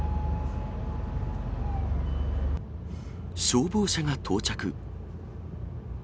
消防車が到着。